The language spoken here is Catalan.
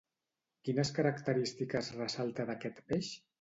Quines característiques ressalta d'aquest peix?